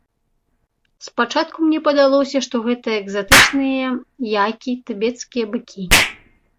Спачатку мне падалося, што гэта экзатычныя які, тыбецкія быкі.